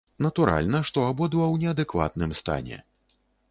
Натуральна, што абодва ў неадэкватным стане.